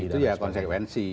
itu ya konsekuensi